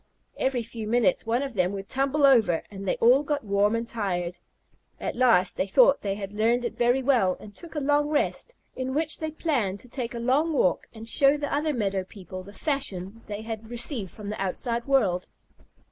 Every few minutes one of them would tumble over, and they all got warm and tired. At last they thought they had learned it very well, and took a long rest, in which they planned to take a long walk and show the other meadow people the fashion they had received from the outside world.